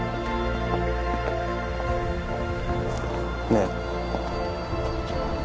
ねえ。